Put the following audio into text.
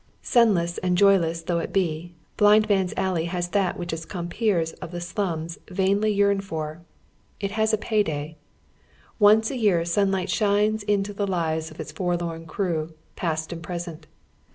Sunless and joyless tliongh it be, Blind Man's Alley has that which its compeers of tlie shims vainly yearn for. It has a pay day. Once a year sunlight shines into the lives of its forlorn crew, past and present.